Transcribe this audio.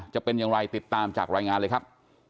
จะเป็นอย่างไรติดตามจากรายงานเลยครับ